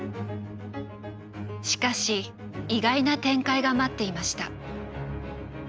しかし意外な展開が待っていました。